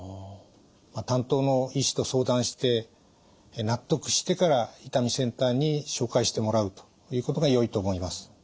担当の医師と相談して納得してから痛みセンターに紹介してもらうということがよいと思います。